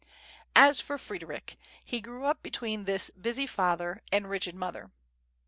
As for Frederic, he grew up between this busy father and rigid mother.